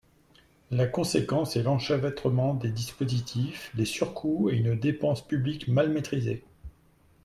La conséquence est l’enchevêtrement des dispositifs, les surcoûts et une dépense publique mal maîtrisée.